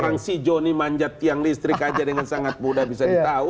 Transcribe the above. kalau ini manjat tiang listrik saja dengan sangat mudah bisa di tahu